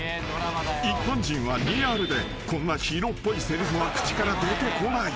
［一般人はリアルでこんなヒーローっぽいせりふは口から出てこない。